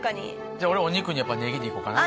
じゃあ俺お肉にやっぱりねぎでいこうかな。